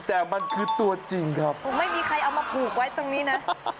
แต่มันคือตัวจริงครับผมไม่มีใครเอามาผูกไว้ตรงนี้นะ